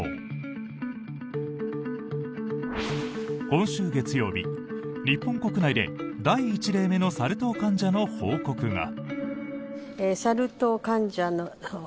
今週月曜日、日本国内で第１例目のサル痘患者の報告が。